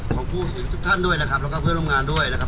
ของผู้สินทุกท่านด้วยนะครับแล้วก็เพื่อนร่วมงานด้วยนะครับ